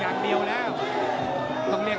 ตามต่อยกที่สองครับ